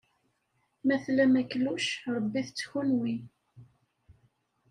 Ma tlam akluc, ṛebbit-t kenwi.